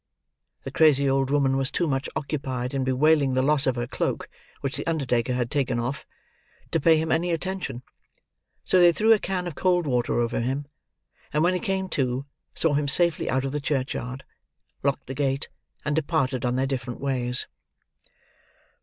The crazy old woman was too much occupied in bewailing the loss of her cloak (which the undertaker had taken off), to pay him any attention; so they threw a can of cold water over him; and when he came to, saw him safely out of the churchyard, locked the gate, and departed on their different ways.